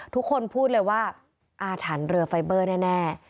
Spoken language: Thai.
ทุกคนพูดเลยว่าอาถรรพ์เรือไฟเบอร์แน่